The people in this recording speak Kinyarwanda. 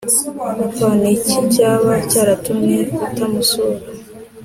papa n’iki cyaba cyaratumye utamusura